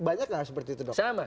banyak nggak seperti itu dok